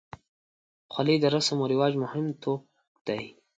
خولۍ د رسم و رواج مهم توک دی.